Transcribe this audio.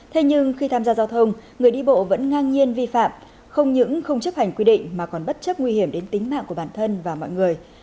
thế nhưng khi tham gia giao thông người đi bộ vẫn ngang nhiên vi phạm không những không chấp hành quy định mà còn bất chấp nguy hiểm đến tính mạng của bản thân và mọi người